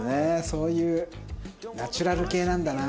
そういうナチュラル系なんだな。